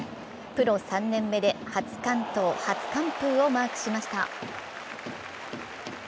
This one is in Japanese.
プロ３年目で初完投・初完封をマークしました。